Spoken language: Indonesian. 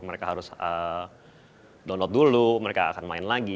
mereka harus download dulu mereka akan main lagi